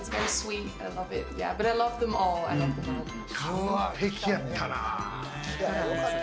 完璧やったな。